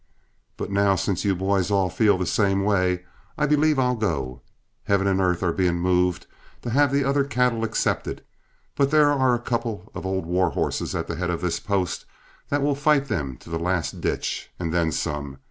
But now since you boys all feel the same way, I believe I'll go. Heaven and earth are being moved to have the other cattle accepted, but there are a couple of old war horses at the head of this post that will fight them to the last ditch, and then some.